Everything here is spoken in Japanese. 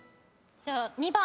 じゃあ２番。